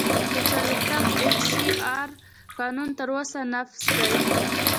د څلوېښتم اېف سي آر قانون تر اوسه نافذ دی.